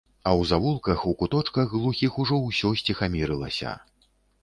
А ў завулках, у куточках глухіх ужо ўсё сціхамірылася.